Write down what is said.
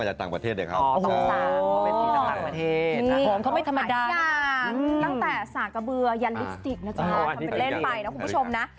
ระวังเบิดเล่นไปนะคุณผู้ชมนะ